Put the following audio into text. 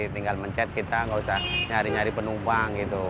tinggal mencet kita nggak usah nyari nyari penumpang gitu